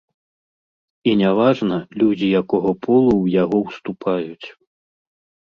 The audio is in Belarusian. І не важна, людзі якога полу ў яго ўступаюць.